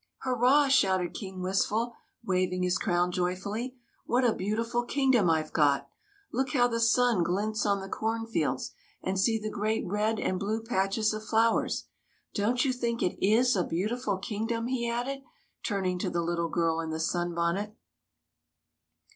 " Hurrah !" shouted King Wistful, waving his crown joyfully. " What a beautiful king dom I've got! Look how the sun glints on the cornfields, and see the great red and blue patches of flowers ! Don't you think it is a beautiful kingdom ?" he added, turning to the little girl in the sunbonnet.